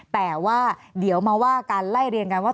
แต่ว่าเดี๋ยวมาว่าการไล่เรียงกันว่า